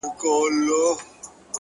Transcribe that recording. هره تجربه د فکر نوی اړخ پرانیزي!.